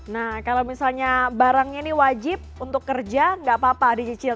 nah kalau misalnya barangnya ini wajib untuk kerja nggak apa apa dicicil